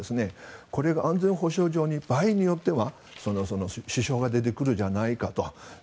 これが安全保障上場合によっては支障が出てくるじゃないかと。